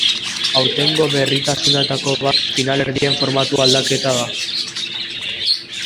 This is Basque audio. Aurtengo berritasunetako bat finalerdien formatu aldaketa da.